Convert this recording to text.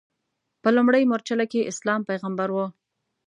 په لومړۍ مورچله کې اسلام پیغمبر و.